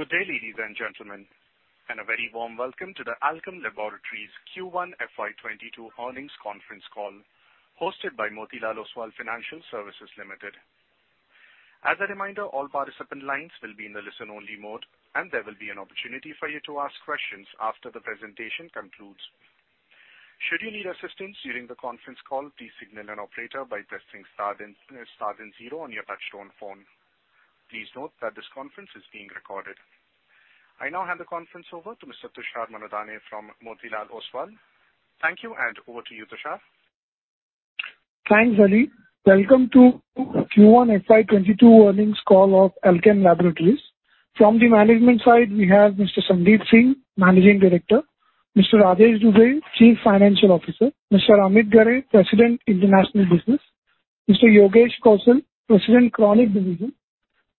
Good day, ladies and gentlemen, and a very warm welcome to the Alkem Laboratories Q1 FY22 earnings conference call hosted by Motilal Oswal Financial Services Limited. As a reminder, all participant lines will be in the listen-only mode, and there will be an opportunity for you to ask questions after the presentation concludes. Should you need assistance during the conference call, please signal an operator by pressing star and zero on your touchtone phone. Please note that this conference is being recorded. I now hand the conference over to Mr. Tushar Manudhane from Motilal Oswal. Thank you, and over to you, Tushar. Thanks, Ali. Welcome to Q1 FY 2022 earnings call of Alkem Laboratories. From the management side, we have Mr. Sandeep Singh, Managing Director, Mr. Rajesh Dubey, Chief Financial Officer, Mr. Amit Ghare, President, International Business, Mr. Yogesh Kaushal, President, Chronic Division,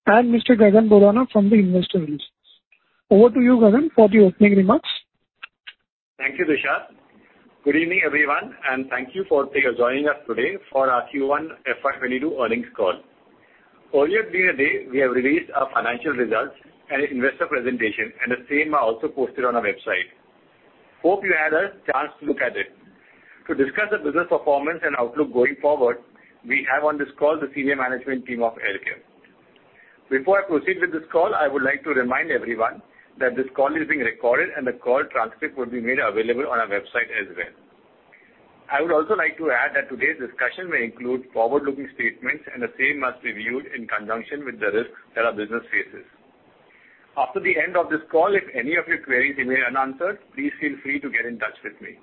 and Mr. Gagan Borana from the Investor Relations. Over to you, Gagan, for the opening remarks. Thank you, Tushar. Good evening, everyone, and thank you for joining us today for our Q1 FY 2022 earnings call. Earlier during the day, we have released our financial results and investor presentation, and the same are also posted on our website. We hope you had a chance to look at it. To discuss the business performance and outlook going forward, we have on this call the senior management team of Alkem. Before I proceed with this call, I would like to remind everyone that this call is being recorded and the call transcript will be made available on our website as well. I would also like to add that today's discussion may include forward-looking statements, and the same must be viewed in conjunction with the risks that our business faces. After the end of this call, if any of your queries remain unanswered, please feel free to get in touch with me.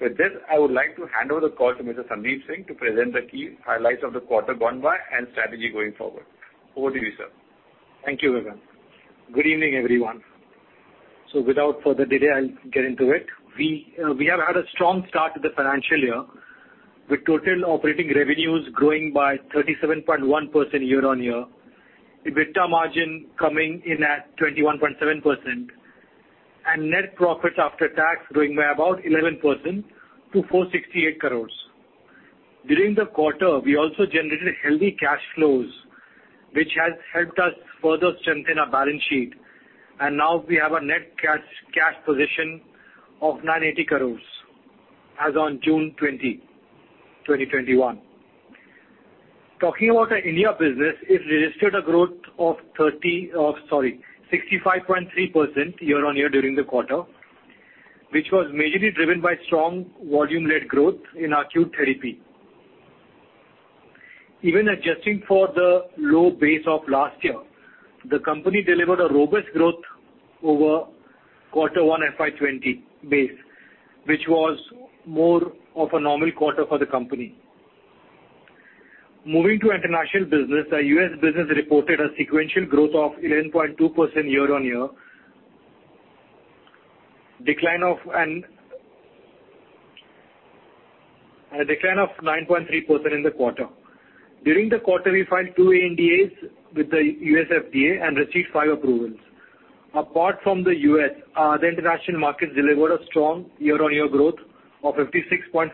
With this, I would like to hand over the call to Mr. Sandeep Singh to present the key highlights of the quarter gone by and strategy going forward. Over to you, sir. Thank you, Gagan. Good evening, everyone. Without further delay, I'll get into it. We have had a strong start to the financial year, with total operating revenues growing by 37.1% year-on-year, EBITDA margin coming in at 21.7%, and net profits after tax growing by about 11% to 468 crores. During the quarter, we also generated healthy cash flows, which has helped us further strengthen our balance sheet. Now we have a net cash position of 980 crores as on June 2021. Talking about our India business, it registered a growth of 65.3% year-on-year during the quarter, which was majorly driven by strong volume-led growth in acute therapy. Even adjusting for the low base of last year, the company delivered a robust growth over Q1 FY 2020 base, which was more of a normal quarter for the company. Moving to international business, our U.S. business reported a sequential growth of 11.2% year-on-year, and a decline of 9.3% in the quarter. During the quarter, we filed two ANDAs with the U.S. FDA and received five approvals. Apart from the U.S., the international markets delivered a strong year-on-year growth of 56.4%.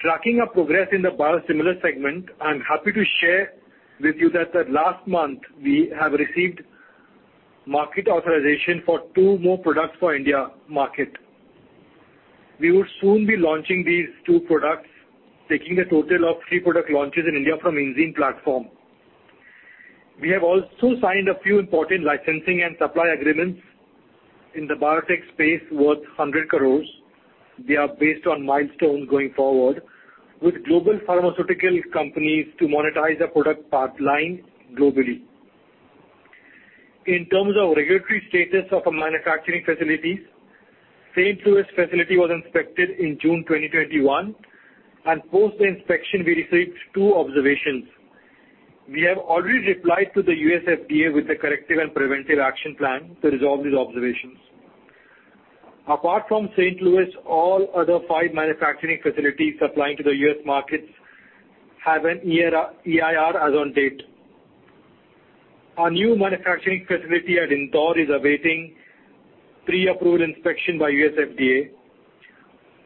Tracking our progress in the biosimilar segment, I'm happy to share with you that last month we have received market authorization for two more products for India market. We will soon be launching these two products, taking the total of three product launches in India from Enzene platform. We have also signed a few important licensing and supply agreements in the biotech space worth 100 crores. They are based on milestones going forward with global pharmaceutical companies to monetize our product pipeline globally. In terms of regulatory status of our manufacturing facilities, St. Louis facility was inspected in June 2021. Post the inspection, we received two observations. We have already replied to the US FDA with a corrective and preventive action plan to resolve these observations. Apart from St. Louis, all other five manufacturing facilities supplying to the U.S. markets have an EIR as on date. Our new manufacturing facility at Indore is awaiting pre-approval inspection by US FDA.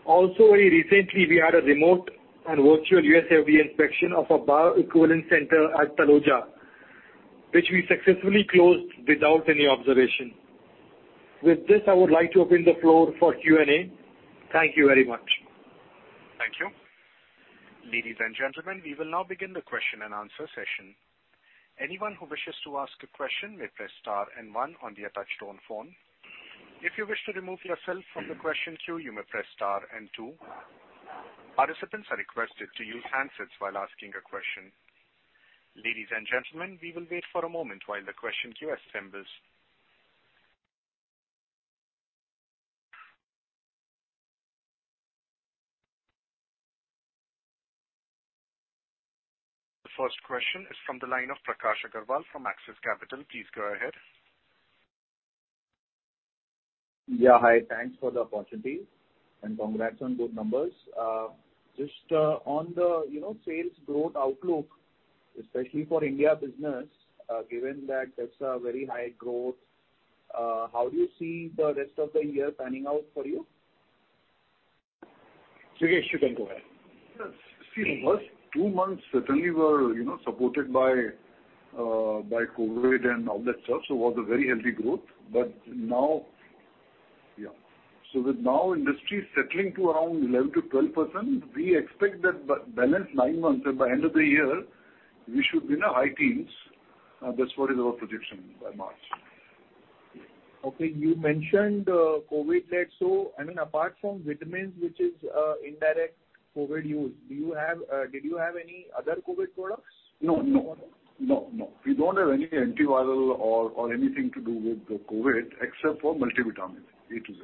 Very recently, we had a remote and virtual US FDA inspection of our bioequivalence center at Taloja, which we successfully closed without any observation. With this, I would like to open the floor for Q&A. Thank you very much. Thank you. Ladies and gentlemen, we will now begin the question and answer session. Anyone who wishes to as a question please press star then one on touch-tone phone. If you wish to remove yourself from the question queue you may press star and two. Participant are are requested to use hand while asking question. Ladies and gentlemen we will leave for the moment while the question assemble. The first question is from the line of Prakash Agarwal from Axis Capital. Please go ahead. Yeah, hi. Thanks for the opportunity and congrats on good numbers. Just on the sales growth outlook, especially for India business, given that that's a very high growth, how do you see the rest of the year panning out for you? Sandeep, you can go ahead. Yes. See, the first two months certainly were supported by COVID and all that stuff. It was a very healthy growth. Now, industry is settling to around 11%-12%. We expect that the balance nine months, by end of the year, we should be in our high teens. That's what is our projection by March. Okay. You mentioned COVID there. Apart from vitamins, which is indirect COVID use, did you have any other COVID products? No. We don't have any antiviral or anything to do with COVID, except for multivitamins, A to Z.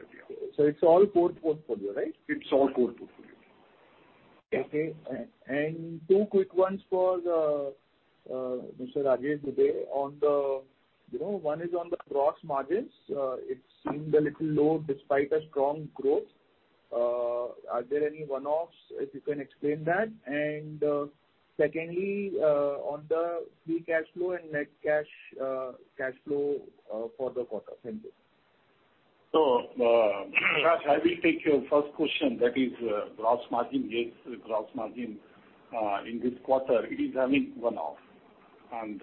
It's all core portfolio, right? It's all core portfolio. Okay. Two quick ones for Mr. Rajesh Dubey. One is on the gross margins. It seemed a little low despite a strong growth. Are there any one-offs, if you can explain that? Secondly, on the free cash flow and net cash flow for the quarter. Thank you. Prakash, I will take your first question, that is gross margin. Yes, gross margin in this quarter is having one-off, and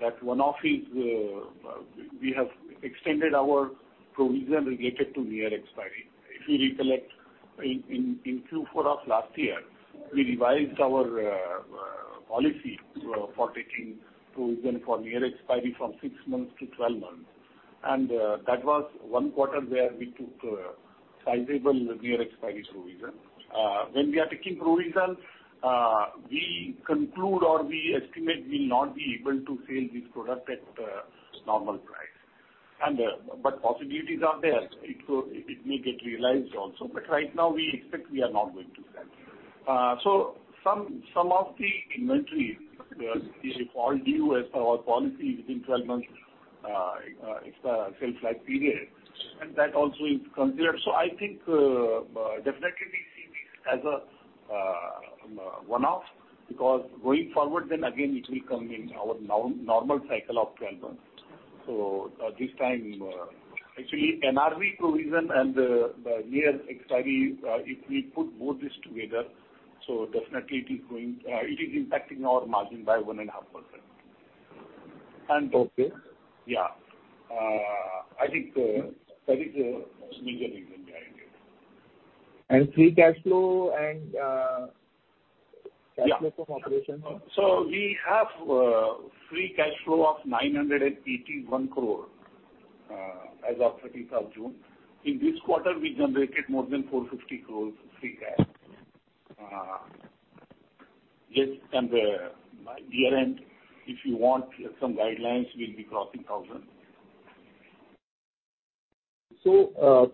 that one-off is we have extended our provision related to near expiry. If you recollect, in Q4 of last year, we revised our policy for taking provision for near expiry from six months to 12 months. That was one quarter where we took a sizable near expiry provision. When we are taking provision, we conclude or we estimate we'll not be able to sell this product at normal price. Possibilities are there, it may get realized also. Right now, we expect we are not going to sell. Some of the inventory, if all due as per our policy within 12 months sales life period, and that also is considered. I think definitely we see this as a one-off, because going forward then again, it will come in our normal cycle of 12 months. At this time, actually NRV provision and the near expiry, if we put both this together, so definitely it is impacting our margin by 1.5%. Okay. Yeah. I think that is the major reason behind it. Free cash flow and cash flow from operation. We have free cash flow of 981 crore as of 30th of June. In this quarter, we generated more than 450 crores free cash. By year-end, if you want some guidelines, we'll be crossing 1,000.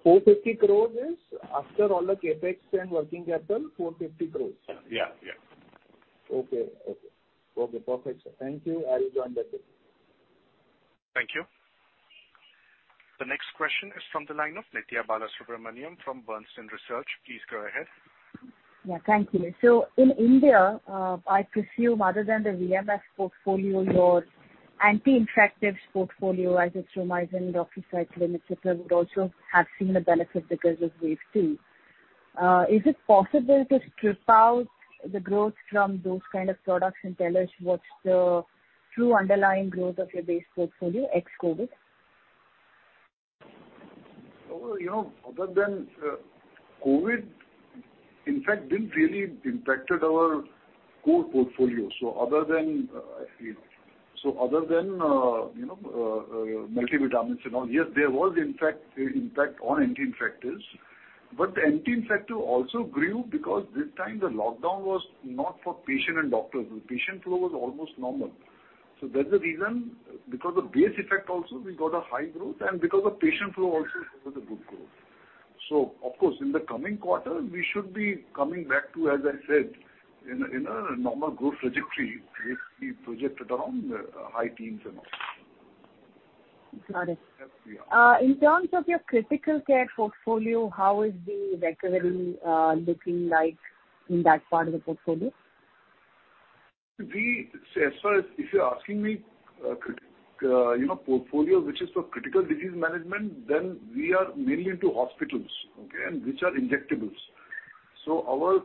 450 crores is after all the CapEx and working capital, 450 crores? Yeah. Okay. Perfect, sir. Thank you. I will join back in. Thank you. The next question is from the line of Nithya Balasubramanian from Bernstein Research. Please go ahead. Yeah, thank you. in India, I presume other than the VMS portfolio, your anti-infectives portfolio, azithromycin, ofloxacin, et cetera, would also have seen the benefit because of wave two. Is it possible to strip out the growth from those kind of products and tell us what's the true underlying growth of your base portfolio, ex-COVID? Other than COVID, in fact, didn't really impacted our core portfolio. other than multivitamins and all, yes, there was impact on anti-infectives. the anti-infective also grew because this time the lockdown was not for patient and doctors. The patient flow was almost normal. that's the reason, because of base effect also, we got a high growth, and because of patient flow also it was a good growth. of course, in the coming quarter, we should be coming back to, as I said, in a normal growth trajectory, we projected around high teens and all. Got it. Yes, we are. In terms of your critical care portfolio, how is the recovery looking like in that part of the portfolio? If you're asking my portfolio which is for critical disease management, then we are mainly into hospitals, okay, and which are injectables. Our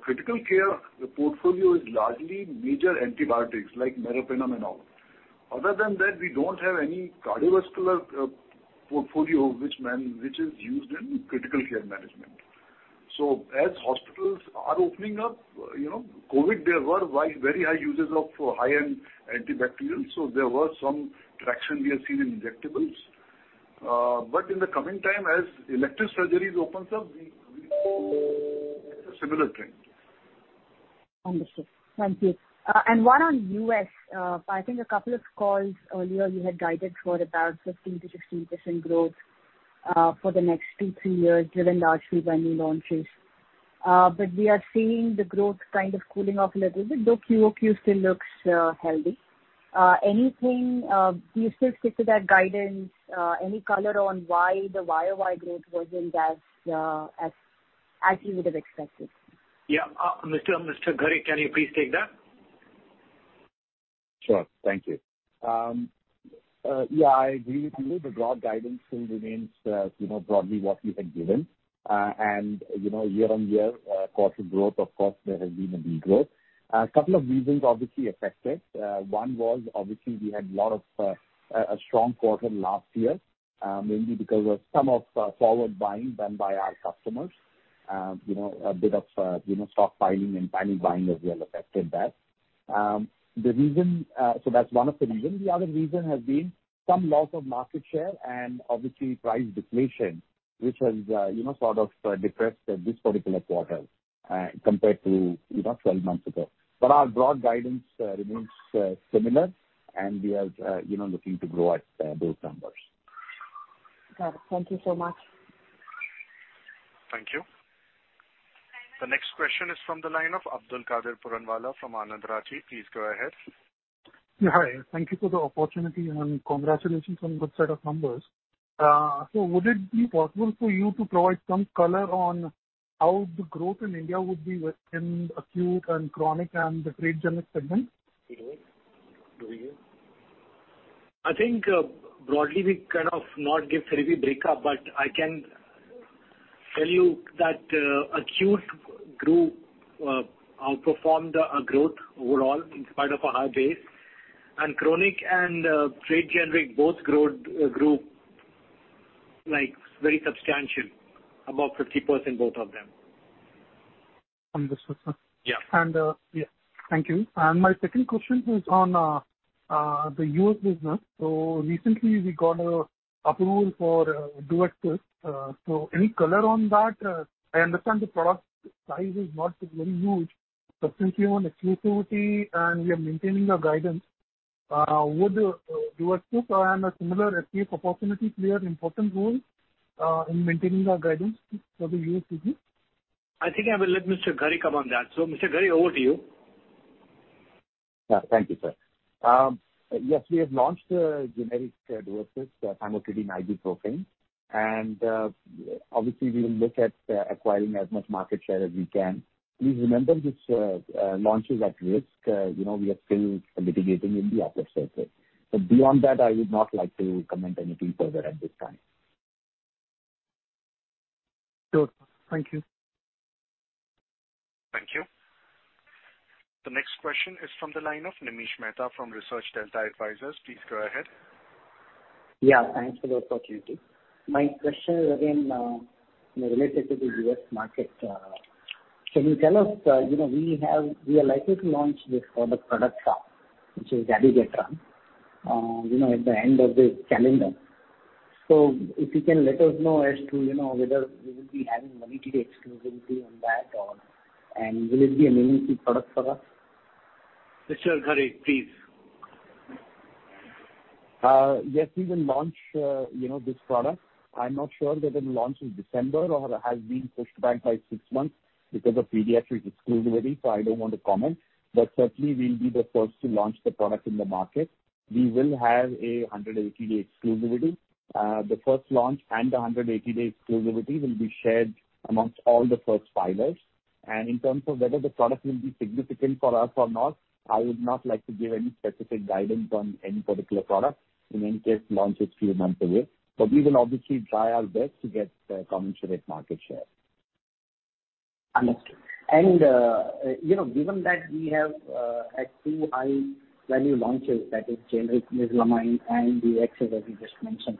critical care portfolio is largely major antibiotics like meropenem and all. Other than that, we don't have any cardiovascular portfolio, which is used in critical care management. As hospitals are opening up, COVID, there were very high uses of high-end antibacterial, so there was some traction we have seen in injectables. In the coming time, as elective surgeries opens up, we see a similar trend. Understood. Thank you. One on U.S. I think a couple of calls earlier you had guided for about 15%-16% growth for the next two-three years, driven largely by new launches. We are seeing the growth kind of cooling off a little bit, though QOQ still looks healthy. Do you still stick to that guidance? Any color on why the YOY growth wasn't as you would have expected? Yeah. Mr. Ghare, can you please take that? Sure. Thank you. Yeah, I agree with you. The broad guidance still remains broadly what we had given. Year-over-year quarter growth, of course, there has been a de-growth. A couple of reasons obviously affected. One was obviously we had a strong quarter last year, mainly because of some of forward buying done by our customers. A bit of stockpiling and panic buying as well affected that. That's one of the reasons. The other reason has been some loss of market share and obviously price deflation, which has sort of depressed this particular quarter compared to 12 months ago. Our broad guidance remains similar and we are looking to grow at both numbers. Got it. Thank you so much. Thank you. The next question is from the line of Abdulkader Puranwala from Anand Rathi. Please go ahead. Hi. Thank you for the opportunity and congratulations on good set of numbers. would it be possible for you to provide some color on how the growth in India would be within acute and chronic and the trade generic segment? I think broadly we kind of not give every break up, but I can tell you that acute group outperformed our growth overall in spite of a high base and chronic and trade generic both grew very substantial, above 50% both of them. Understood, sir. Yeah. Yeah. Thank you. My second question is on the U.S. business. Recently we got approval for DUEXIS. Any color on that? I understand the product size is not very huge, but since you own exclusivity and we are maintaining our guidance, would DUEXIS and a similar EP opportunity play an important role in maintaining our guidance for the U.S., do you think? I think I will let Mr. Ghare come on that. Mr. Ghare, over to you. Yeah, thank you, sir. Yes, we have launched a generic DUEXIS, famotidine ibuprofen, and obviously we will look at acquiring as much market share as we can. Please remember this launch is at risk. We are still litigating in the appeals circuit. Beyond that, I would not like to comment anything further at this time. Sure. Thank you. Thank you. The next question is from the line of Nimish Mehta from ResearchDelta Advisors. Please go ahead. Yeah, thanks for the opportunity. My question is again, related to the U.S. market. Can you tell us, we are likely to launch this product, which is dabigatran, at the end of this calendar. If you can let us know as to whether we will be having 180 exclusivity on that and will it be a meaningful product for us? Mr. Ghare, please. Yes, we will launch this product. I'm not sure whether the launch is December or has been pushed back by six months because of pediatrics exclusivity, so I don't want to comment. Certainly we'll be the first to launch the product in the market. We will have a 180-day exclusivity. The first launch and the 180-day exclusivity will be shared amongst all the first filers. In terms of whether the product will be significant for us or not, I would not like to give any specific guidance on any particular product in any case launch a few months away. We will obviously try our best to get commensurate market share. Understood. Given that we have two high value launches, that is generic enzalutamide and DUEXIS as you just mentioned,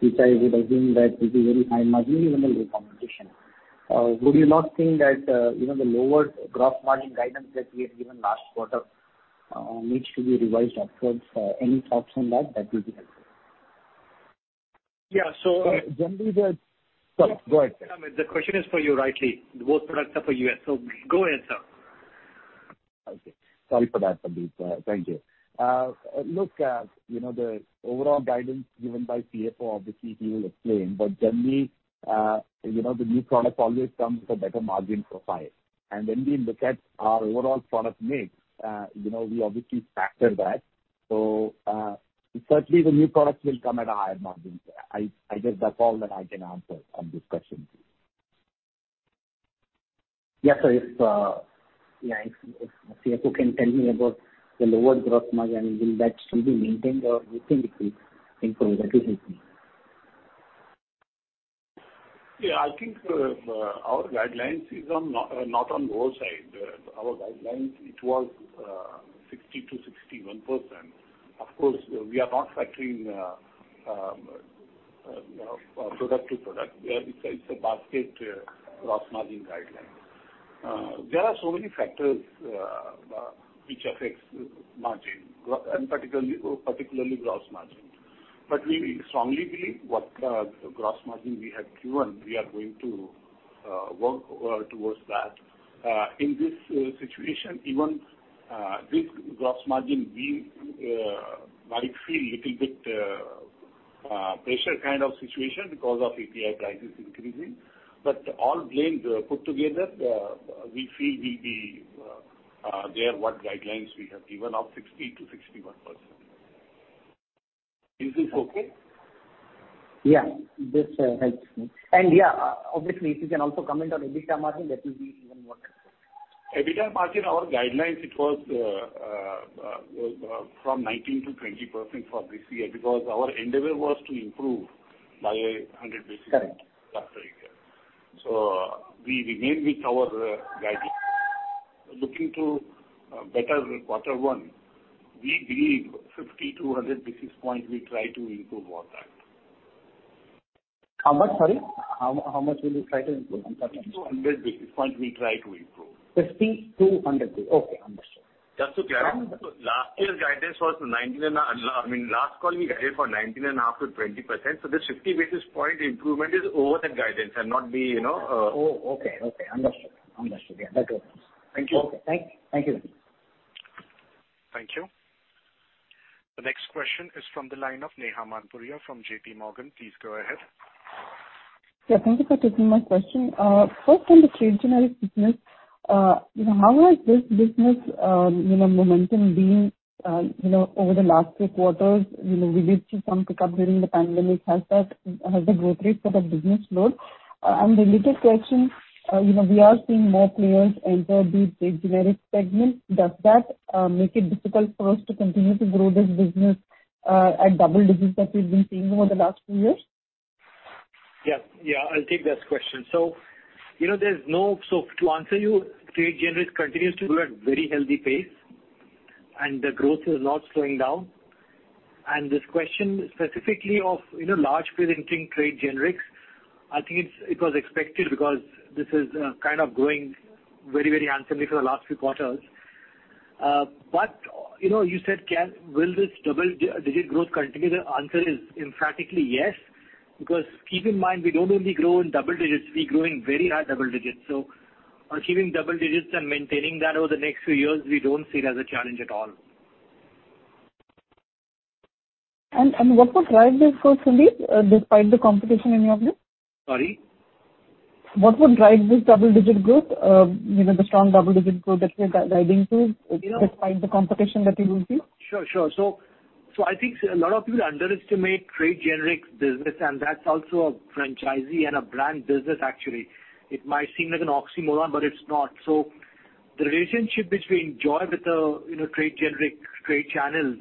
which I would assume that will be very high margin even with competition. Would you not think that, the lower gross margin guidance that we had given last quarter needs to be revised upwards? Any thoughts on that? That will be helpful. Sorry. Go ahead, sir. The question is for you rightly. Both products are for U.S., so go ahead, sir. Okay. Sorry for that, Pulkit. Thank you. Look, the overall guidance given by CFO, obviously, he will explain, but generally the new product always comes with a better margin profile. When we look at our overall product mix, we obviously factor that. Certainly the new products will come at a higher margin. I guess that's all that I can answer on this question. Yeah. If the CFO can tell me about the lower gross margin, will that still be maintained or do you think it will improve? That will help me. Yeah, I think our guidelines is not on low side. Our guidelines, it was 60%-61%. Of course, we are not factoring product to product. It's a basket gross margin guideline. There are so many factors which affects margin and particularly gross margin. We strongly believe what gross margin we have given, we are going to work towards that. In this situation, even this gross margin, we might feel little bit pressure kind of situation because of API prices increasing. All blamed put together, we feel we be there what guidelines we have given of 60%-61%. Is this okay? Yeah. This helps me. yeah, obviously, if you can also comment on EBITDA margin, that will be even more helpful. EBITDA margin, our guidelines, it was from 19%-20% for this year, because our endeavor was to improve by 100 basis- Correct last year. We remain with our guidelines. Looking to better quarter one, we believe 50 to 100 basis points we try to improve on that. How much, sorry? How much will you try to improve? I'm sorry. 50 to 100 basis points we try to improve. 50-100 basis. Okay, understood. Just to clarify, last year's guidance was 19 and a half. I mean, last call, we guided for 19 and a half to 20%, so this 50 basis point improvement is over the guidance and not the- Oh, okay. Understood. Yeah, that helps. Thank you. Okay. Thank you. Thank you. The next question is from the line of Neha Manpuria from JPMorgan. Please go ahead. Yeah, thank you for taking my question. First, on the trade generic business, how has this business momentum been over the last few quarters? We did see some pickup during the pandemic. Has the growth rate for that business slowed? A related question, we are seeing more players enter the trade generic segment. Does that make it difficult for us to continue to grow this business at double digits that we've been seeing over the last few years? Yeah. I'll take this question. To answer you, trade generic continues to grow at very healthy pace, and the growth is not slowing down. This question specifically of large players entering trade generics, I think it was expected because this is kind of growing very unseenly for the last few quarters. You said, will this double-digit growth continue? The answer is emphatically yes. Because keep in mind, we don't only grow in double digits. We grow in very high double digits. Achieving double digits and maintaining that over the next few years, we don't see it as a challenge at all. What would drive this growth, Sandeep, despite the competition in the outlet? Sorry? What would drive this double-digit growth, the strong double-digit growth that you're guiding to, despite the competition that you will see? Sure. I think a lot of people underestimate trade generics business, and that's also a franchisee and a brand business actually. It might seem like an oxymoron, but it's not. The relationship which we enjoy with the trade generic trade channels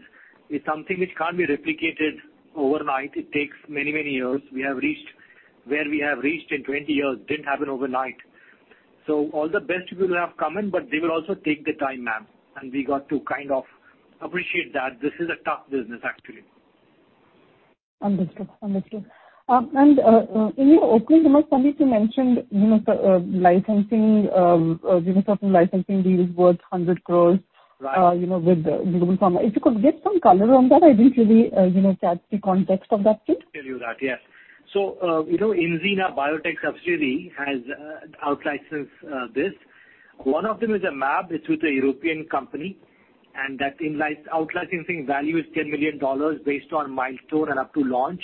is something which can't be replicated overnight. It takes many years. Where we have reached in 20 years didn't happen overnight. All the best people have come in, but they will also take their time, ma'am, and we got to kind of appreciate that this is a tough business actually. Understood. In your opening remarks, Sandeep, you mentioned certain licensing deals worth 100 crores- Right With global pharma. If you could give some color on that, I didn't really catch the context of that bit. Tell you that, yes. Enzene subsidiary has outlicensed this. One of them is a mAb, it's with a European company, and that out licensing value is $10 million based on milestone and up to launch.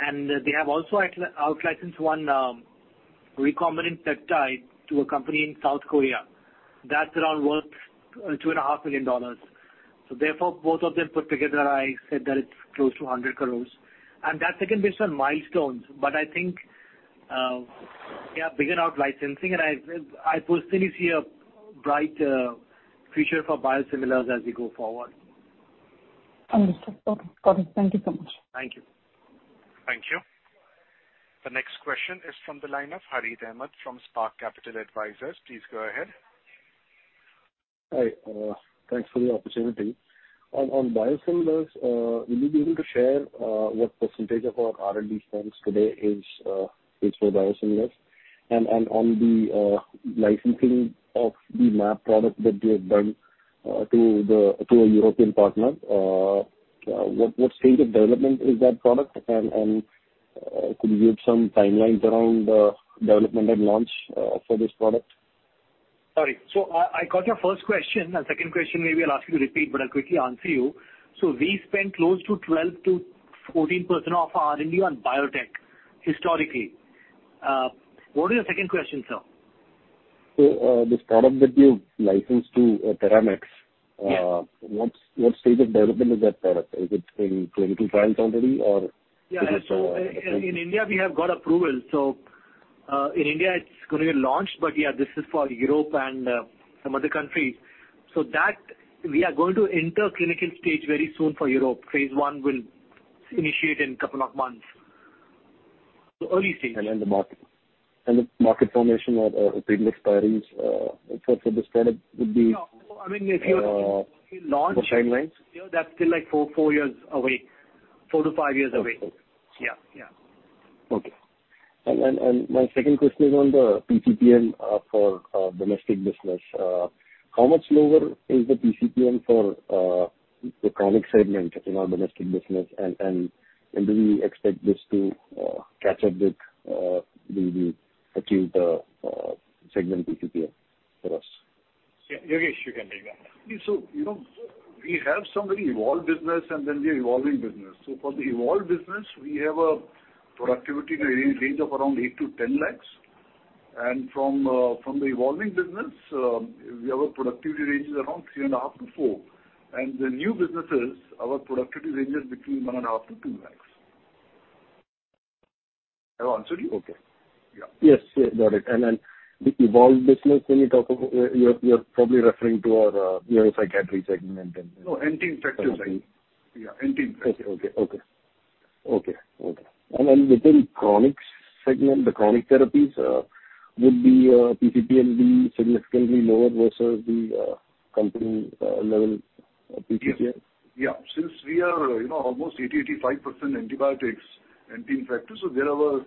they have also outlicensed one recombinant peptide to a company in South Korea. That's around worth $2.5 million. therefore, both of them put together, I said that it's close to 100 crores. that's again based on milestones. I think, yeah, big on out licensing, and I personally see a bright future for biosimilars as we go forward. Understood. Okay, got it. Thank you so much. Thank you. Thank you. The next question is from the line of Harneet Ahmad from Spark Capital Advisors. Please go ahead. Hi. Thanks for the opportunity. On biosimilars, will you be able to share what percentage of our R&D spends today is for biosimilars? On the licensing of the mAb product that you have done to a European partner, what stage of development is that product, and could you give some timelines around development and launch for this product? Sorry. I got your first question. Second question, maybe I'll ask you to repeat, but I'll quickly answer you. We spend close to 12 to 14% of our R&D on biotech historically. What is your second question, sir? This product that you've licensed to Terramax. Yeah What stage of development is that product? Is it in clinical trials already? Yeah. In India, we have got approval. In India it's going to get launched. Yeah, this is for Europe and some other countries. That, we are going to enter clinical stage very soon for Europe. Phase I will initiate in couple of months. Early stage. The market formation or patent expiries for this product would be. I mean, if you launch- What timelines? That's still four years away. Fou to five years away. Okay. Yeah. Okay. My second question is on the PCPM for domestic business. How much lower is the PCPM for the chronic segment in our domestic business? Do we expect this to catch up with the achieved segment PCPM for us? Yogesh, you can take that. We have some very evolved business, and then the evolving business. For the evolved business, we have a productivity range of around 8 lakhs-10 lakhs. From the evolving business, our productivity range is around 3.5 lakhs-4 lakhs. The new businesses, our productivity range is between 1.5 lakhs-2 lakhs. Have I answered you? Yeah. Yes. Got it. The evolved business when you talk about, you're probably referring to your psychiatry segment and. No, anti-infective segment. Okay. Within chronics segment, the chronic therapies would be PCPM and be significantly lower versus the company level PCPM? Yeah. Since we are almost 80%-85% antibiotics, anti-infective. There our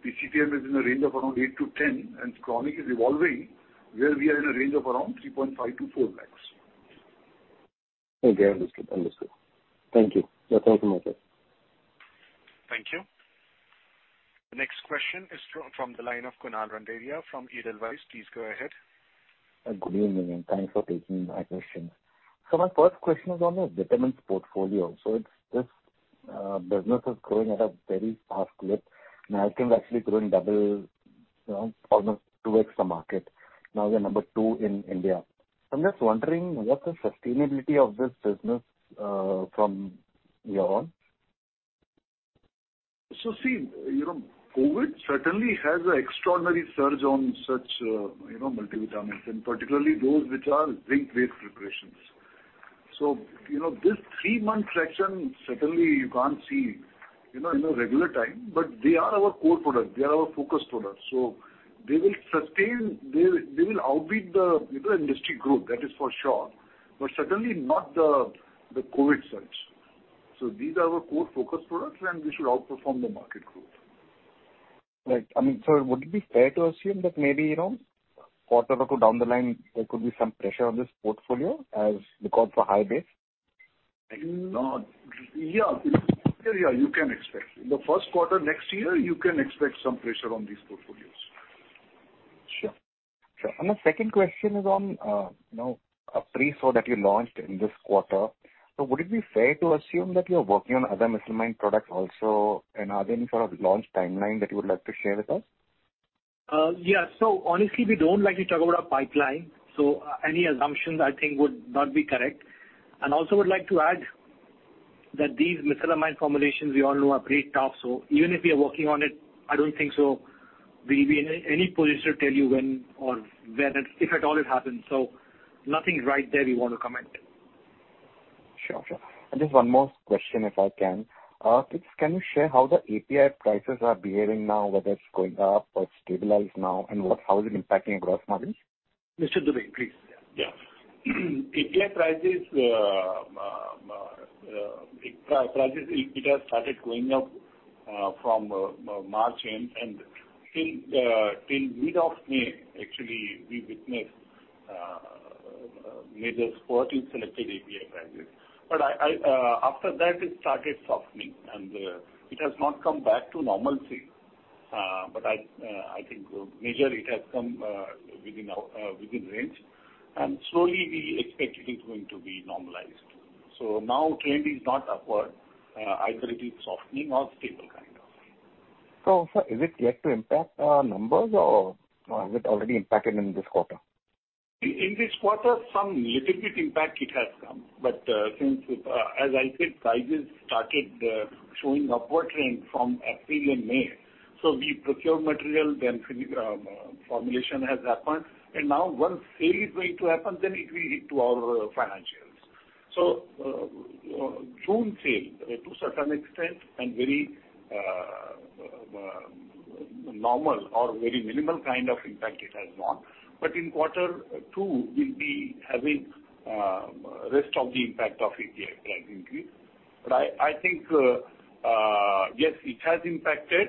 PCPM is in a range of around 8-10, and chronic is evolving where we are in a range of around 3.5 lakhs-4 lakhs. Okay, understood. Thank you. That's all from my side. Thank you. The next question is from the line of Kunal Randeria from Edelweiss. Please go ahead. Good evening, and thanks for taking my questions. My first question is on the vitamins portfolio. This business is growing at a very fast clip. Now it has actually grown double, almost two extra market. Now we are number two in India. I'm just wondering what the sustainability of this business from here on? See, COVID certainly has an extraordinary surge on such multivitamins and particularly those which are drink-based preparations. This three-month section, certainly you can't see in a regular time, but they are our core product, they are our focus product, so they will sustain, they will outbeat the industry group, that is for sure, but certainly not the COVID surge. These are our core focus products, and we should outperform the market group. Right. would it be fair to assume that maybe a quarter or two down the line, there could be some pressure on this portfolio as because of a high base? Yeah. You can expect the first quarter next year, you can expect some pressure on these portfolios. Sure. The second question is on Apriso that you launched in this quarter. Would it be fair to assume that you're working on other mesalamine products also? Are there any sort of launch timeline that you would like to share with us? Yeah. Honestly, we don't like to talk about our pipeline. Any assumptions I think would not be correct. Also would like to add that these mesalamine combinations, we all know, are pretty tough. Even if we are working on it, I don't think so we'll be in any position to tell you when or where that, if at all, it happens. Nothing right there we want to comment. Sure. Just one more question, if I can. Can you share how the API prices are behaving now, whether it's going up or stabilized now, and how is it impacting gross margins? Mr. Dubey, please. API prices started going up from March end, and till mid of May, actually, we witnessed major spurt in selected API prices. After that it started softening, and it has not come back to normalcy. I think major it has come within range. Slowly we expect it is going to be normalized. Now trend is not upward. Either it is softening or stable. Sir, is it yet to impact our numbers or has it already impacted in this quarter? In this quarter, some little bit impact it has come, but since, as I said, prices started showing upward trend from April and May. we procure material, then formulation has happened, and now once sale is going to happen, then it will hit to our financials. June sale, to a certain extent, and very normal or very minimal kind of impact it has gone. in quarter two, we'll be having rest of the impact of API price increase. I think, yes, it has impacted,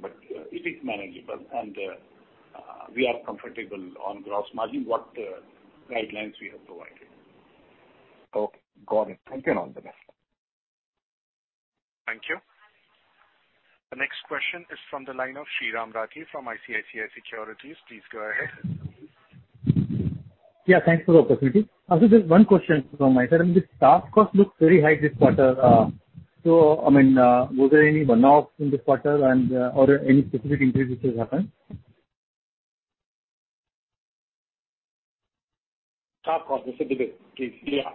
but it is manageable and we are comfortable on gross margin, what guidelines we have provided. Okay, got it. Thank you and all the best. Thank you. The next question is from the line of Sriraam Rathi from ICICI Securities. Please go ahead. Yeah, thanks for the opportunity. Actually, just one question from my side. The staff cost looks very high this quarter. Was there any one-offs in this quarter and or any specific increases happened? Staff cost specifically? Yeah.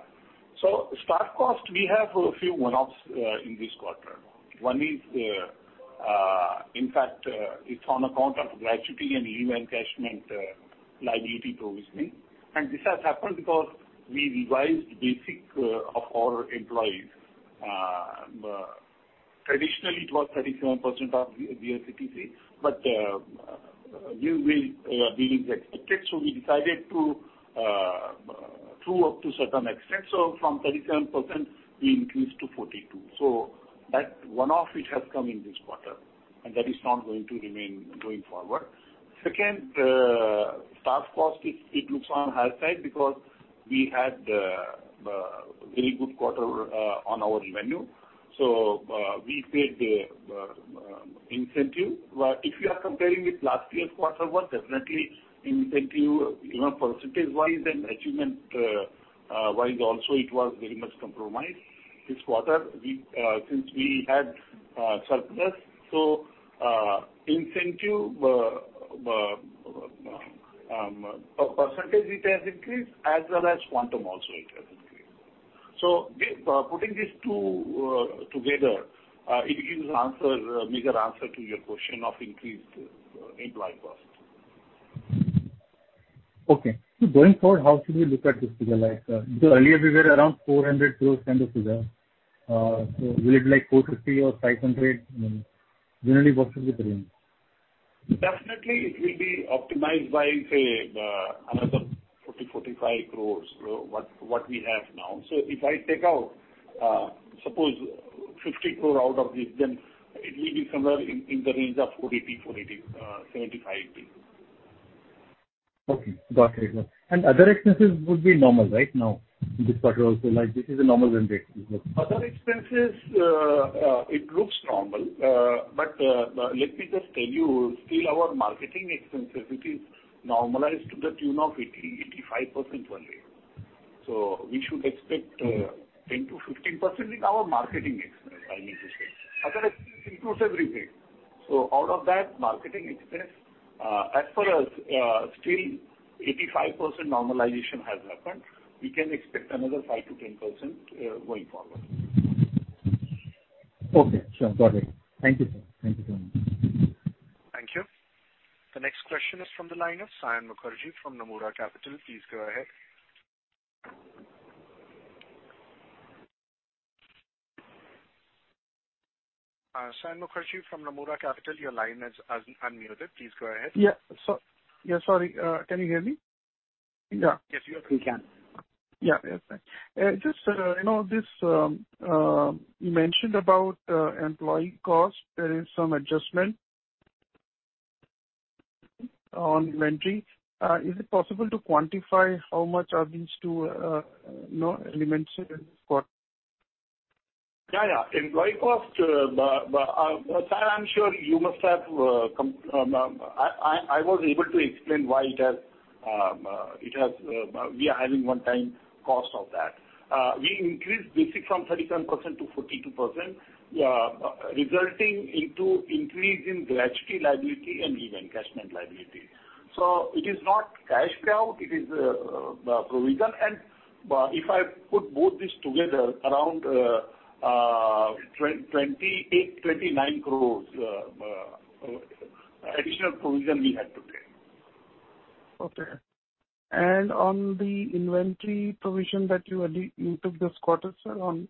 Staff cost, we have a few one-offs in this quarter. One is, in fact, it's on account of gratuity and leave encashment liability provisioning. This has happened because we revised basic of our employees. Traditionally, it was 37% of the CTC, but due to increase expected, so we decided to up to certain extent. From 37%, we increased to 42. That one-off, it has come in this quarter, and that is not going to remain going forward. Second, staff cost, it looks on higher side because we had a very good quarter on our revenue. We paid the incentive. If you are comparing with last year's quarter one, definitely incentive, percentage-wise and achievement-wise also, it was very much compromised. This quarter, since we had surplus, so incentive, percentage it has increased as well as quantum also it has increased. Putting these two together, it gives a major answer to your question of increased employee cost. Okay. Going forward, how should we look at this figure? Because earlier we were around 400 crores kind of figure. Will it be like 450 or 500? Generally, what should be the range? Definitely it will be optimized by, say, another 40-45 crore, what we have now. If I take out, suppose 50 crore out of this, then it will be somewhere in the range of 480-475. Okay, got it. Other expenses would be normal right now, in this quarter also, like this is a normal trend, basically. Other expenses, it looks normal. Let me just tell you, still our marketing expenses, it is normalized to the tune of 80%-85% only. We should expect 10%-15% in our marketing expense, I need to say. Other expense includes everything. Out of that marketing expense, as far as still 85% normalization has happened, we can expect another 5%-10% going forward. Okay, sure. Got it. Thank you, sir. Thank you. Thank you. The next question is from the line of Saion Mukherjee from Nomura Capital. Please go ahead. Saion Mukherjee from Nomura Capital, your line is unmuted. Please go ahead. Yeah. Sorry, can you hear me? Yeah. Yes, we can. Yeah. Okay. Just you mentioned about employee cost. There is some adjustment on inventory. Is it possible to quantify how much are these two elements in this quarter? Yeah. Employee cost, Saion, I'm sure you must have. I was able to explain why we are having one-time cost of that. We increased basic from 37%-42%, resulting into increase in gratuity liability and even cashment liability. It is not cash payout, it is provision. If I put both these together, around 28-29 crore additional provision we had to pay. Okay. On the inventory provision that you took this quarter, sir, on.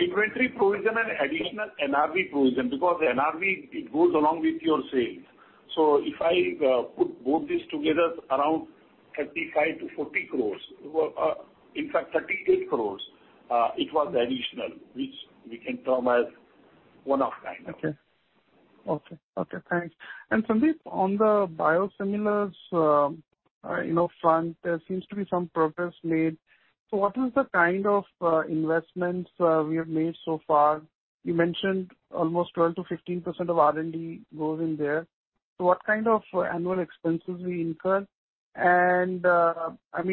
Inventory provision and additional NRV provision, because NRV, it goes along with your sales. If I put both these together, around 35-40 crores. In fact, 38 crores, it was additional, which we can term as one-off kind of. Okay. Thanks. Sandeep, on the biosimilars front, there seems to be some progress made. what is the kind of investments we have made so far? You mentioned almost 12% to 15% of R&D goes in there. what kind of annual expenses we incur? if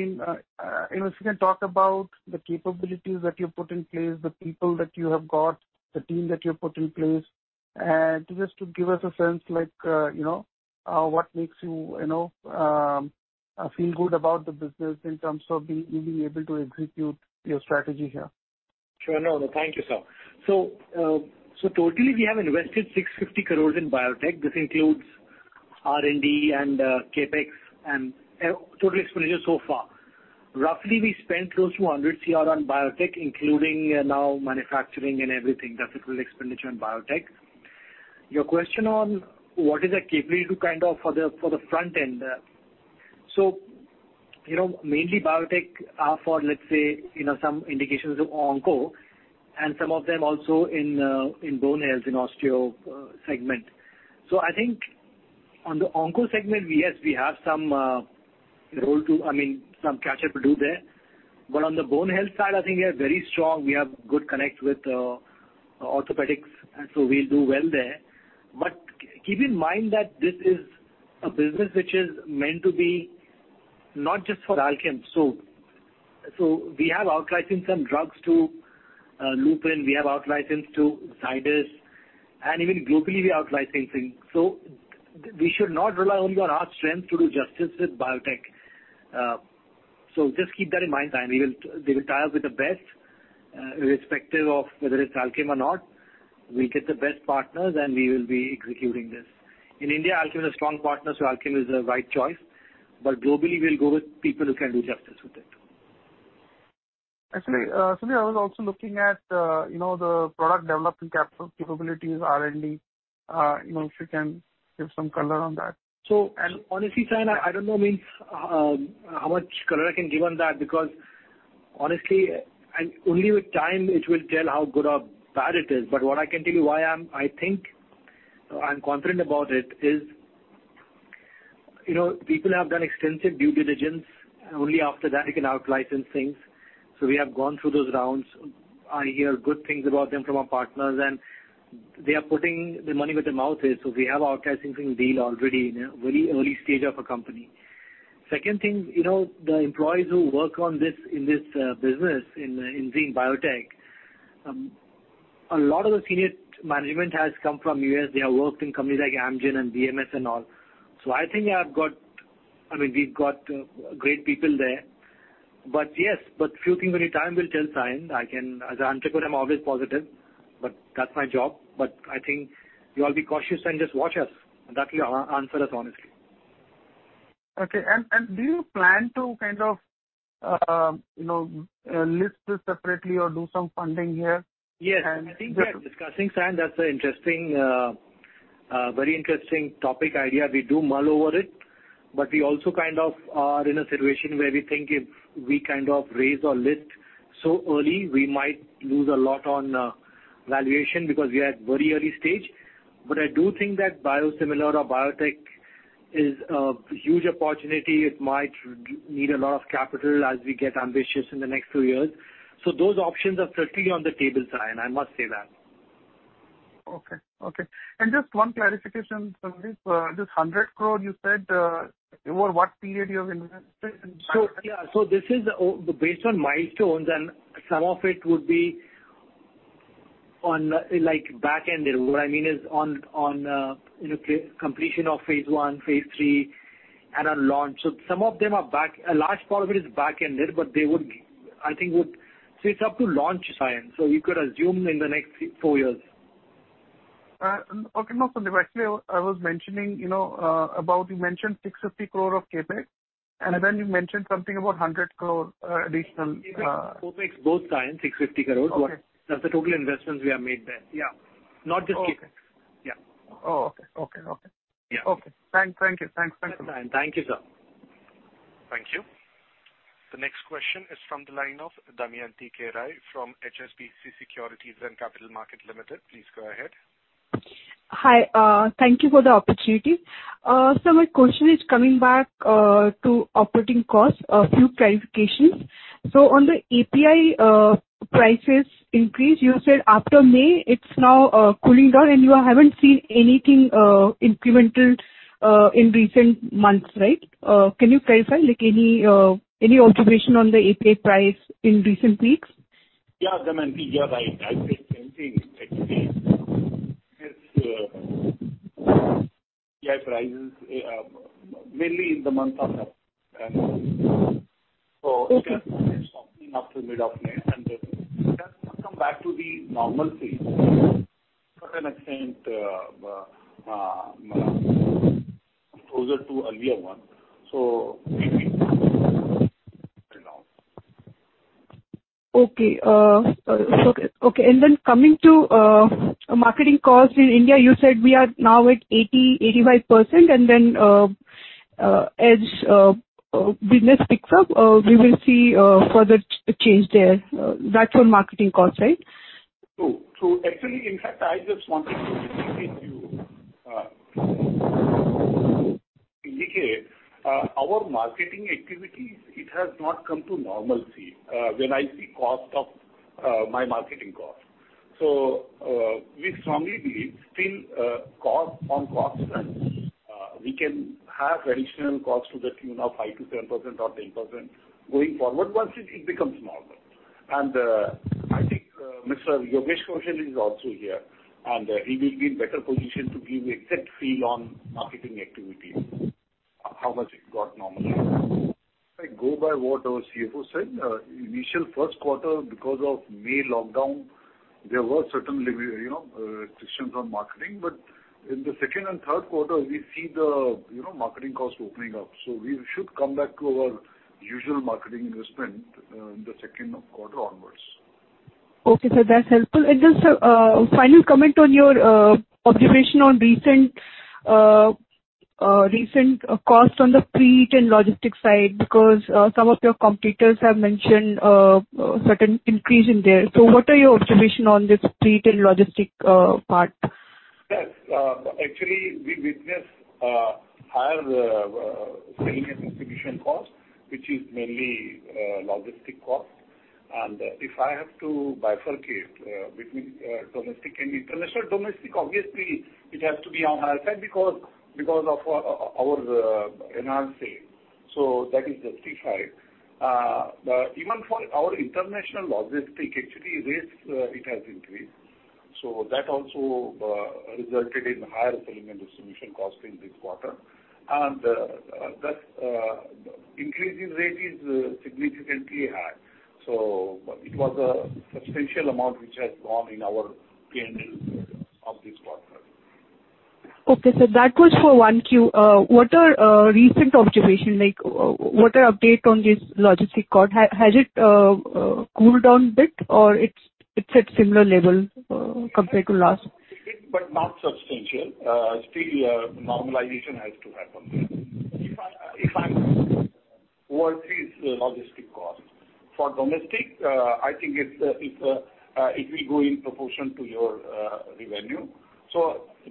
you can talk about the capabilities that you put in place, the people that you have got, the team that you have put in place, just to give us a sense, what makes you feel good about the business in terms of you being able to execute your strategy here. Sure. No, thank you, sir. Totally, we have invested 650 crores in biotech. This includes R&D and CapEx and total expenditure so far. Roughly, we spent close to 100 CR on biotech, including now manufacturing and everything. That's the total expenditure on biotech. Your question on what is the capability for the front end. Mainly biotech are for, let's say, some indications of onco and some of them also in bone health, in osteo segment. I think on the onco segment, yes, we have some catch-up to do there. On the bone health side, I think we are very strong. We have good connects with orthopedics, and so we'll do well there. Keep in mind that this is a business which is meant to be not just for Alkem. We have out-licensed some drugs to Lupin, we have out-licensed to Zydus, and even globally, we are out-licensing. we should not rely only on our strength to do justice with biotech. just keep that in mind, Saion. We will tie up with the best, irrespective of whether it's Alkem or not. We'll get the best partners and we will be executing this. In India, Alkem has strong partners, so Alkem is the right choice. globally, we'll go with people who can do justice with it. Actually, Sandeep, I was also looking at the product development capabilities, R&D. If you can give some color on that. Honestly, Saion Mukherjee, I don't know how much color I can give on that because honestly, and only with time it will tell how good or bad it is. What I can tell you why I think I'm confident about it is people have done extensive due diligence, and only after that you can out-license things. We have gone through those rounds. I hear good things about them from our partners and they are putting their money where their mouth is. We have our licensing deal already in a very early stage of a company. Second thing, the employees who work on this in this business, in Enzene Biosciences, a lot of the senior management has come from U.S. They have worked in companies like Amgen and BMS and all. I think we've got great people there. Yes, few things only time will tell, Saion Mukherjee. As an entrepreneur, I'm always positive, but that's my job. I think you all be cautious and just watch us. That will answer us honestly. Okay. Do you plan to list this separately or do some funding here? Yes. I think we are discussing, Saion. That's a very interesting topic idea. We do mull over it, but we also are in a situation where we think if we raise or list so early, we might lose a lot on valuation because we are at very early stage. I do think that biosimilar or biotech is a huge opportunity. It might need a lot of capital as we get ambitious in the next few years. Those options are certainly on the table, Saion, I must say that. Okay. Just one clarification, Sandeep. This 100 crore you said, over what period you have invested in biotech? This is based on milestones, and some of it would be back-ended. What I mean is on completion of phase I, phase III, and on launch. A large part of it is back-ended, but I think it's up to launch, Saion. You could assume in the next four years. Okay. No, Sandeep, actually, you mentioned 650 crore of CapEx, and then you mentioned something about 100 crore additional- CapEx both Saion 650 crore. Okay. That's the total investments we have made there. Yeah. Not just CapEx. Okay. Yeah. Okay. Thank you, Sandeep. Thank you, sir. Thank you. The next question is from the line of Damayanti Kerai from HSBC Securities and Capital Markets (India) Private Limited. Please go ahead. Hi. Thank you for the opportunity. My question is coming back to operating costs, a few clarifications. On the API prices increase, you said after May, it's now cooling down, and you haven't seen anything incremental in recent months, right? Can you clarify any observation on the API price in recent weeks? Yeah, Damayanti. Yeah, right. I said same thing. Actually, API prices, mainly in the month of so it has now stopped after mid of May, and it has now come back to the normalcy. To an extent, closer to earlier one. We feel till now. Okay. Coming to marketing costs in India, you said we are now at 80%-85%, and then as business picks up, we will see further change there. That's your marketing cost, right? True. Actually, in fact, I just wanted to indicate you our marketing activities, it has not come to normalcy. When I see my marketing cost. We strongly believe still on cost front, we can have additional cost to the tune of 5%-10% or 8% going forward once it becomes normal. I think Mr. Yogesh Kaushal is also here, and he will be in better position to give exact feel on marketing activity, how much it got normalized. If I go by what our CFO said, initial first quarter, because of May lockdown, there were certain restrictions on marketing. In the second and third quarter, we see the marketing cost opening up. We should come back to our usual marketing investment in the second quarter onwards. Okay, sir. That's helpful. Just a final comment on your observation on recent cost on the freight and logistics side, because some of your competitors have mentioned a certain increase in there. What are your observation on this freight and logistic part? Yes. Actually, we witness higher selling and distribution cost, which is mainly logistic cost. If I have to bifurcate between domestic and international, domestic, obviously, it has to be on higher side because of our enhanced sale. That is justified. Even for our international logistic, actually rates, it has increased. That also resulted in higher selling and distribution cost in this quarter. That increasing rate is significantly high. It was a substantial amount which has gone in our P&L of this quarter. Okay, sir. That was for Q1. What are recent observations, like what are updates on this logistics cost? Has it cooled down bit or it's at similar level compared to last? Not substantial. Still normalization has to happen. If I'm overseas logistic cost. For domestic, I think it will go in proportion to your revenue.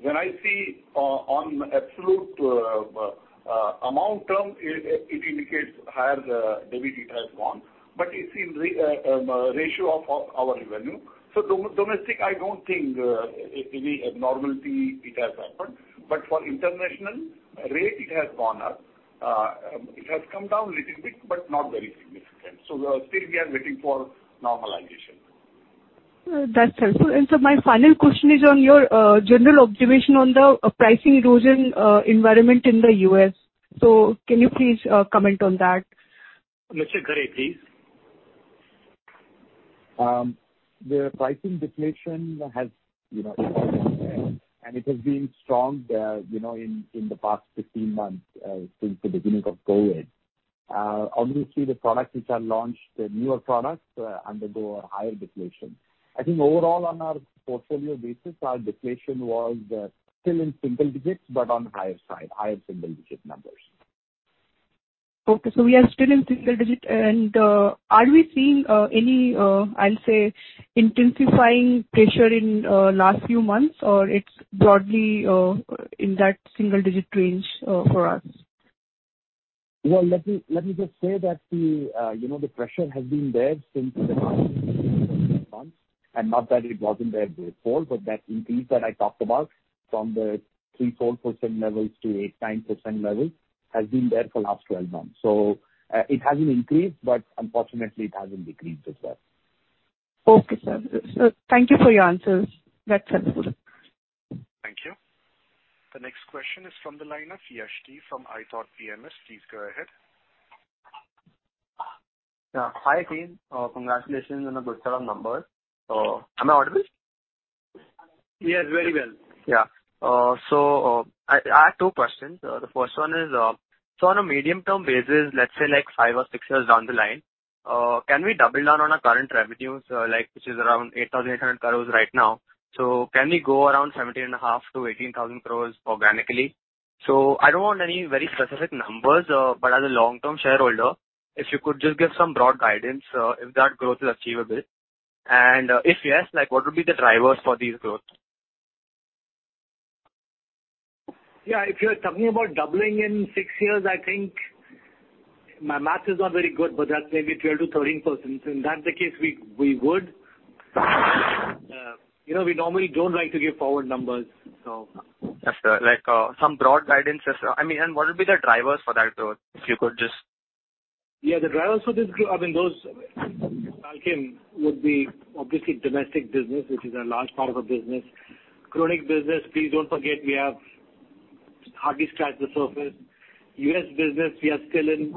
When I see on absolute amount term, it indicates higher debit it has gone. You see ratio of our revenue. Domestic, I don't think any abnormality it has happened, but for international rate, it has gone up. It has come down a little bit, but not very significant. Still we are waiting for normalization. That's helpful. Sir, my final question is on your general observation on the pricing erosion environment in the U.S. Can you please comment on that? Mr. Ghare, please. The pricing deflation has been strong in the past 15 months since the beginning of COVID. Obviously, the products which are launched, the newer products, undergo a higher deflation. I think overall on our portfolio basis, our deflation was still in single digits, but on higher side, higher single-digit numbers. We are still in single digit. Are we seeing any, I'll say, intensifying pressure in last few months, or it is broadly in that single-digit range for us? Well, let me just say that the pressure has been there since the last months. Not that it wasn't there before, that increase that I talked about from the 3%-4% levels to 8%-10% levels has been there for last 12 months. It hasn't increased, but unfortunately, it hasn't decreased as well. Okay, sir. Thank you for your answers. That's helpful. Thank you. The next question is from the line of Yash Tanna from ithought PMS. Please go ahead. Yeah. Hi, team. Congratulations on a good set of numbers. Am I audible? Yes, very well. Yeah. I have two questions. The first one is, so on a medium-term basis, let's say like five or six years down the line, can we double down on our current revenues, which is around 8,800 crores right now? Can we go around 17.5-18,000 crores organically? I don't want any very specific numbers, but as a long-term shareholder, if you could just give some broad guidance if that growth is achievable. If yes, what would be the drivers for this growth? Yeah, if you're talking about doubling in six years, I think my math is not very good, but that's maybe 12%-13%. If that's the case, we would. We normally don't like to give forward numbers, so That's all right. Some broad guidance. What would be the drivers for that growth, if you could just? Yeah, the drivers for this growth, Alkem would be obviously domestic business, which is a large part of our business. Chronic business, please don't forget, we have hardly scratched the surface. U.S. business, we are still in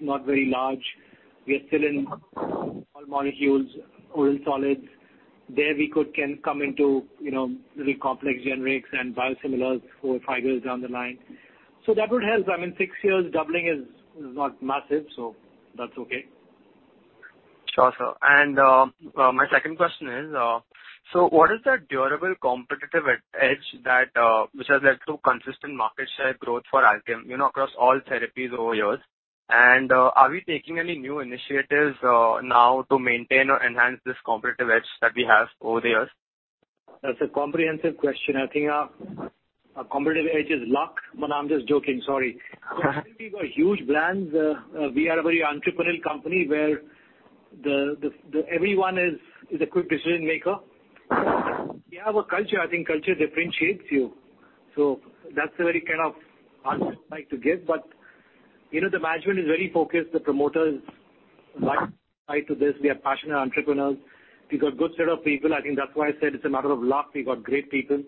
not very large. We are still in small molecules, oral solids. There we can come into really complex generics and biosimilars four, five years down the line. That would help. Six years doubling is not massive, so that's okay. Sure, sir. my second question is, so what is that durable competitive edge which has led to consistent market share growth for Alkem across all therapies over years? are we taking any new initiatives now to maintain or enhance this competitive edge that we have over the years? That's a comprehensive question. I think our competitive edge is luck. No, I'm just joking. Sorry. We've got huge brands. We are a very entrepreneurial company where everyone is a quick decision-maker. We have a culture. I think culture differentiates you. That's the very kind of answer I'd like to give. The management is very focused. The promoters like to this. We are passionate entrepreneurs. We got good set of people. I think that's why I said it's a matter of luck. We got great people.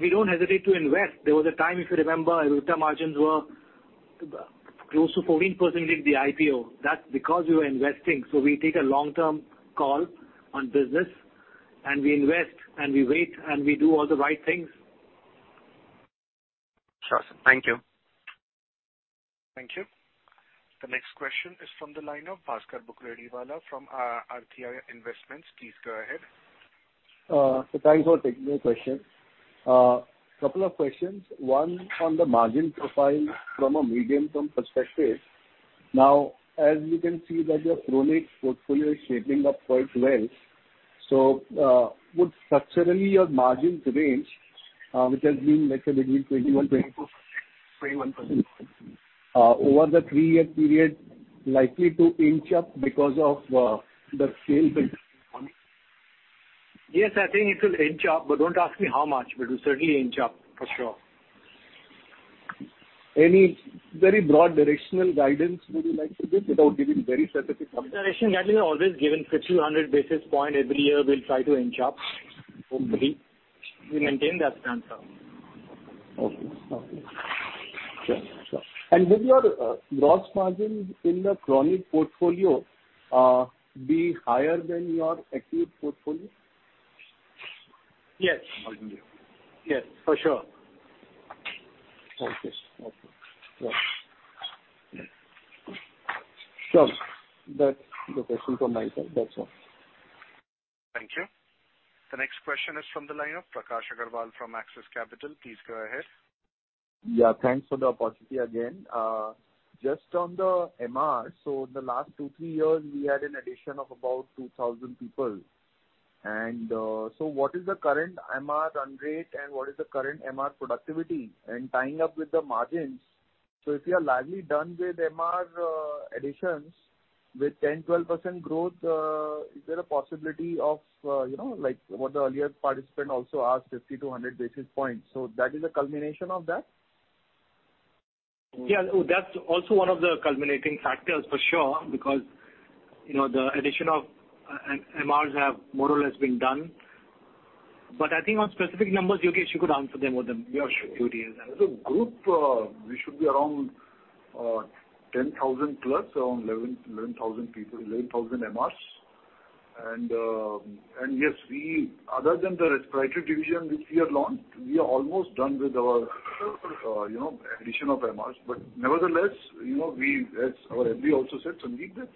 We don't hesitate to invest. There was a time, if you remember, EBITDA margins were close to 14% during the IPO. That's because we were investing. We take a long-term call on business, and we invest, and we wait, and we do all the right things. Sure. Thank you. Thank you. The next question is from the line of Bhaskar Bukalsaria from JT Investments. Please go ahead. Thanks for taking my question. Couple of questions. One on the margin profile from a medium-term perspective. Now, as we can see that your chronic portfolio is shaping up quite well. would structurally your margin range, which has been, let's say between 21, 24%, 21% over the three-year period, likely to inch up because of the scale benefit? Yes, I think it will inch up, but don't ask me how much. It'll certainly inch up for sure. Any very broad directional guidance would you like to give without giving very specific numbers? Directional guidance, I've always given 50, 100 basis point every year we'll try to inch up. Hopefully, we maintain that stance. Okay. Sure. Would your gross margins in the chronic portfolio be higher than your acute portfolio? Yes. Margin, yeah. Yes, for sure. Okay. Sure. That's the question from my side. That's all. Thank you. The next question is from the line of Prakash Agarwal from Axis Capital. Please go ahead. Yeah. Thanks for the opportunity again. Just on the MRs. In the last two, three years, we had an addition of about 2,000 people. What is the current MR run rate and what is the current MR productivity and tying up with the margins? If you are largely done with MR additions with 10, 12% growth, is there a possibility of what the earlier participant also asked, 50 to 100 basis points? That is a culmination of that? Yeah. That's also one of the culminating factors for sure, because the addition of MRs have more or less been done. I think on specific numbers, Yogesh Kaushal, you could answer them with your duties. As a group, we should be around 10,000 plus, around 11,000 MRs. Yes, other than the respiratory division which we have launched, we are almost done with our addition of MRs. Nevertheless, as our MD also said, Sandeep, that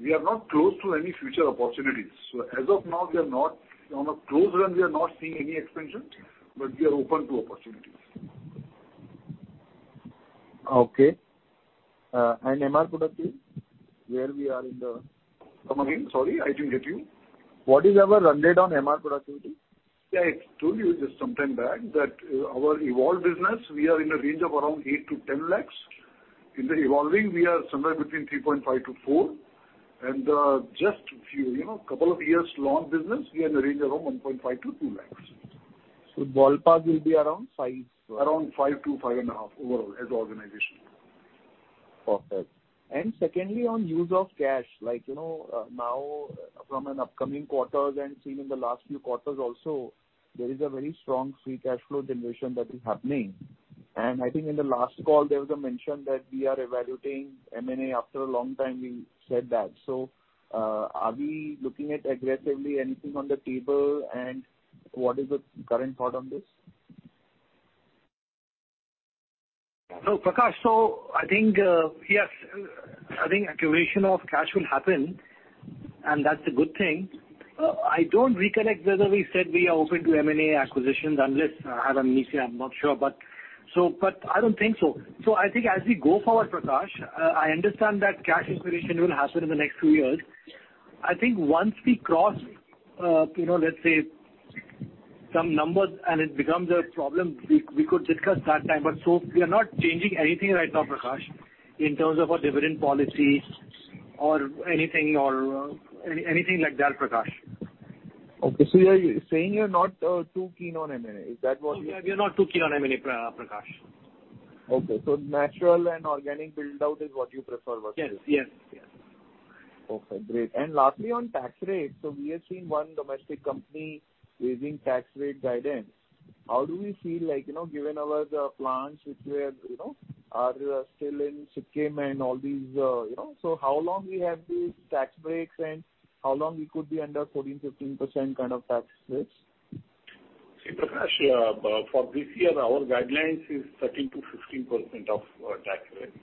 we are not closed to any future opportunities. As of now, on a close run, we are not seeing any expansion, but we are open to opportunities. Okay. MR productivity, where we are in the Come again. Sorry, I didn't get you. What is our run rate on MR productivity? Yeah, I told you just some time back that our evolved business, we are in a range of around 8-10 lakhs. In the evolving, we are somewhere between 3.5-4. Just a couple of years launch business, we are in the range of around 1.5-2 lakhs. Ballpark will be around five. Around five to five and a half overall as an organization. Perfect. Secondly, on use of cash. Now from an upcoming quarters and seen in the last few quarters also, there is a very strong free cash flow generation that is happening. I think in the last call, there was a mention that we are evaluating M&A. After a long time we said that. Are we looking at aggressively anything on the table, and what is the current thought on this? Prakash. I think, yes, I think accumulation of cash will happen, and that's a good thing. I don't recollect whether we said we are open to M&A acquisitions unless I have amnesia. I'm not sure. I don't think so. I think as we go forward, Prakash, I understand that cash accumulation will happen in the next few years. I think once we cross, let's say some numbers and it becomes a problem, we could discuss that time. We are not changing anything right now, Prakash, in terms of our dividend policy or anything like that, Prakash. Okay, you're saying you're not too keen on M&A. Is that what you- No, we are not too keen on M&A, Prakash. Okay. Natural and organic build-out is what you prefer, Vasudev. Yes. Okay, great. Lastly, on tax rates. We are seeing one domestic company raising tax rate guidance. How do we feel like, given our plans which are still in Sikkim and all these. How long we have these tax breaks and how long we could be under 14%-15% kind of tax rates? See, Prakash, for this year, our guidelines is 13%-15% of tax rate.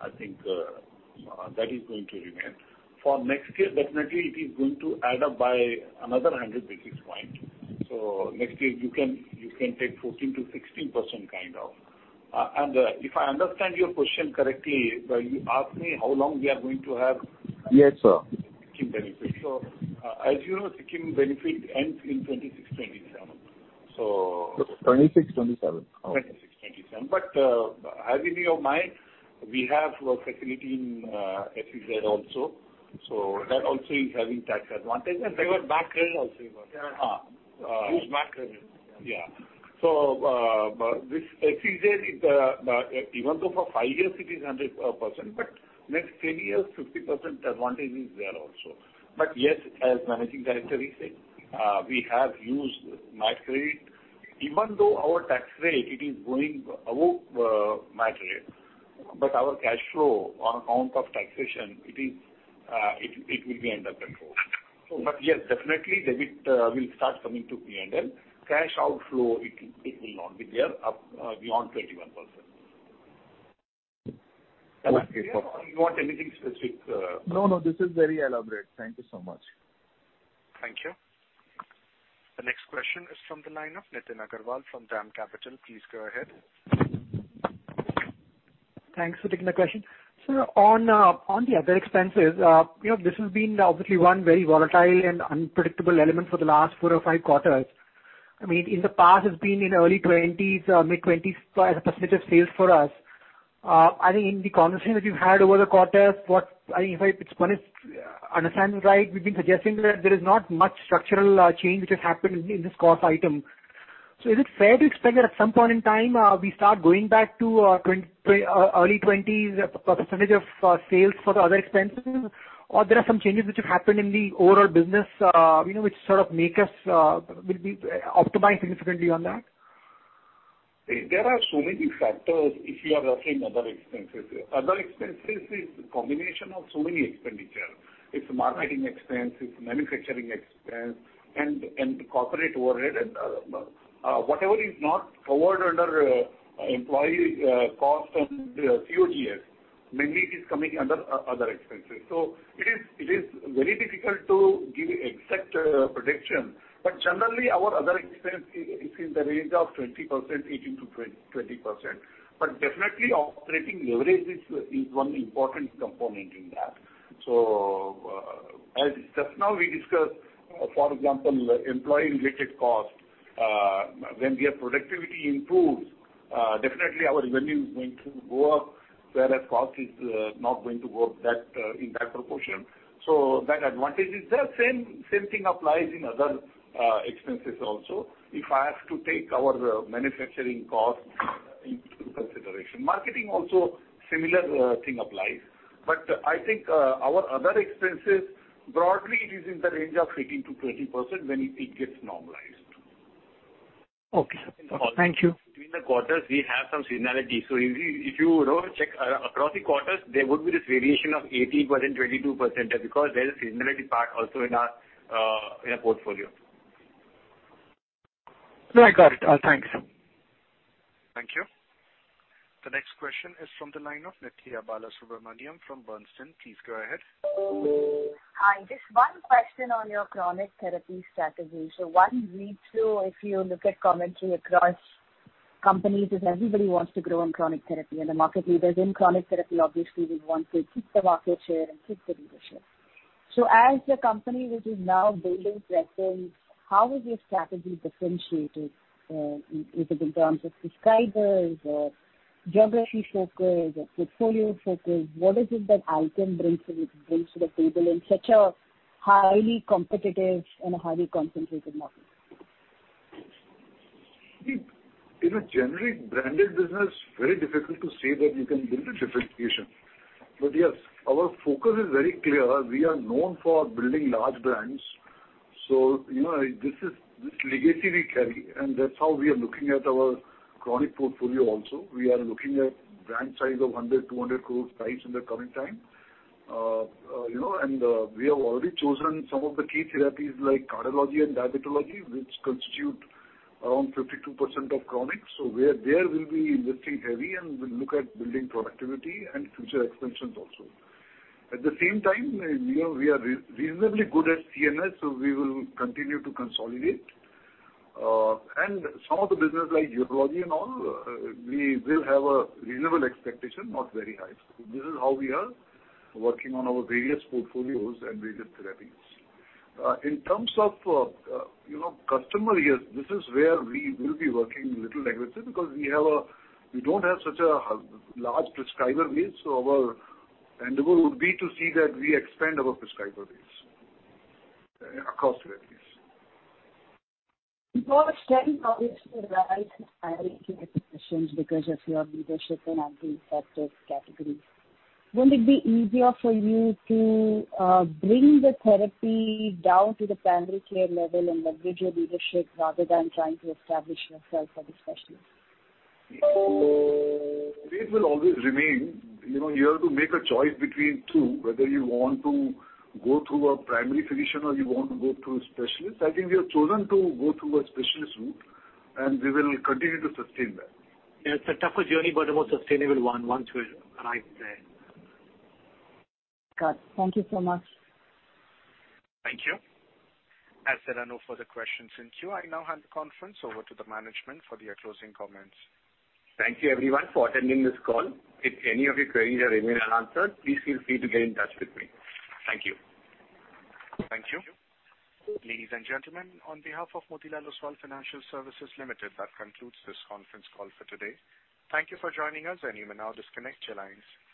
I think that is going to remain. For next year, definitely it is going to add up by another 100 basis point. Next year you can take 14%-16% kind of. If I understand your question correctly, you ask me how long we are going to have- Yes, sir. Sikkim benefit. As you know, Sikkim benefit ends in 2026, 2027. 26, 27. Okay. 26, 27. as in your mind, we have a facility in SEZ also. That also is having tax advantage. there was MAT credit also. Yeah. Huge MAT credit. Yeah. This SEZ, even though for five years it is 100%, but next 10 years, 50% advantage is there also. Yes, as Managing Director said, we have used MAT credit. Even though our tax rate is going above MAT rate. Our cash flow on account of taxation, it will be under control. Yes, definitely debit will start coming to P&L. Cash outflow, it will not be there beyond 21%. Okay. Perfect. You want anything specific? No, this is very elaborate. Thank you so much. Thank you. The next question is from the line of Nitin Agarwal from DAM Capital. Please go ahead. Thanks for taking the question. Sir, on the other expenses, this has been obviously one very volatile and unpredictable element for the last four or five quarters. I mean, in the past, it's been in early twenties, mid-twenties as a percentage of sales for us. I think in the conversation that you had over the quarter, if one is understanding right, we've been suggesting that there is not much structural change which has happened in this cost item. Is it fair to expect that at some point in time, we start going back to early twenties percentage of sales for the other expenses? There are some changes which have happened in the overall business which sort of make us will be optimized significantly on that? There are so many factors if you are asking other expenses. Other expenses is combination of so many expenditure. It's marketing expense, it's manufacturing expense and corporate overhead and whatever is not covered under employee cost and COGS. Mainly it is coming under other expenses. It is very difficult to give exact prediction, but generally our other expense is in the range of 18%-20%. Definitely operating leverage is one important component in that. As just now we discussed, for example, employee-related cost, when their productivity improves, definitely our revenue is going to go up, whereas cost is not going to go up in that proportion. That advantage is there. Same thing applies in other expenses also. If I have to take our manufacturing cost into consideration. Marketing also, similar thing applies. I think our other expenses, broadly, it is in the range of 18%-20% when it gets normalized. Okay. Thank you. Between the quarters, we have some seasonality. If you check across the quarters, there would be this variation of 18% and 22% because there is a seasonality part also in our portfolio. No, I got it. Thanks. Thank you. The next question is from the line of Nithya Balasubramanian from Bernstein. Please go ahead. Hi. Just one question on your chronic therapy strategy. one read through, if you look at commentary across companies is everybody wants to grow in chronic therapy and the market leaders in chronic therapy obviously would want to keep the market share and keep the leadership. as a company which is now building presence, how is your strategy differentiated? Is it in terms of prescribers or geography focus or portfolio focus? What is it that Alkem brings to the table in such a highly competitive and a highly concentrated market? In a generic branded business, very difficult to say that you can build a differentiation. Yes, our focus is very clear. We are known for building large brands. This legacy we carry, and that's how we are looking at our chronic portfolio also. We are looking at brand size of 100, 200 crore size in the coming time. We have already chosen some of the key therapies like cardiology and diabetology, which constitute around 52% of chronics. There we'll be investing heavy and we'll look at building productivity and future expansions also. At the same time, we are reasonably good at CNS, so we will continue to consolidate. Some of the business like urology and all, we will have a reasonable expectation, not very high. This is how we are working on our various portfolios and various therapies. In terms of customer base, this is where we will be working little aggressively because we don't have such a large prescriber base. Our endeavor would be to see that we expand our prescriber base across therapies. Before setting obviously the right hierarchy positions because of your leadership in aggressive categories, wouldn't it be easier for you to bring the therapy down to the primary care level and leverage your leadership rather than trying to establish yourself as a specialist? It will always remain. You have to make a choice between two, whether you want to go through a primary physician or you want to go through a specialist. I think we have chosen to go through a specialist route, and we will continue to sustain that. It's a tougher journey, but a more sustainable one once we arrive there. Got it. Thank you so much. Thank you. As there are no further questions in queue, I now hand the conference over to the management for their closing comments. Thank you everyone for attending this call. If any of your queries remain unanswered, please feel free to get in touch with me. Thank you. Thank you. Ladies and gentlemen, on behalf of Motilal Oswal Financial Services Limited, that concludes this conference call for today. Thank you for joining us and you may now disconnect your lines.